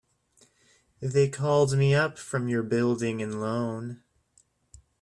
They called me up from your Building and Loan.